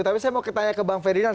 tapi saya mau ketanya ke bang ferdinand